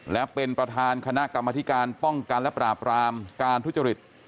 และเป็นประธานคณะกรรมธิการป้องกันและปราบรามการทุจริต